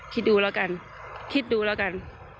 คิดดูแล้วกันคิดดูแล้วกัน